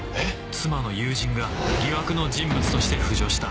妻の友人が疑惑の人物として浮上した